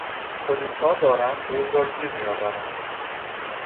پلیسها دارند دزد را گیر میآورند.